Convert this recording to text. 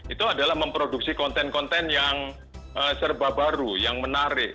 itu adalah memproduksi konten konten yang serba baru yang menarik